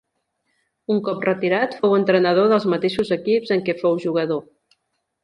Un cop retirat fou entrenador dels mateixos equips en què fou jugador.